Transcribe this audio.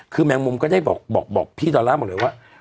คือแมงมุมก็ได้บอกพี่ดอลลาร์หมดเลยว่า